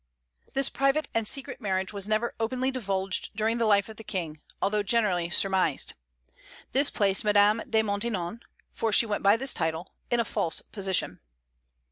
This private and secret marriage was never openly divulged during the life of the King, although generally surmised. This placed Madame de Maintenon for she went by this title in a false position.